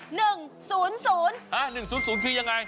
ฮะ๑๐๐คือยังไง